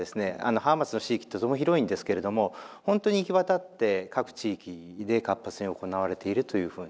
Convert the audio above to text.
浜松の市域ってとても広いんですけれどもほんとに行き渡って各地域で活発に行われているというふうな。